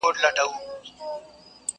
چي تا نه مني داټوله ناپوهان دي!.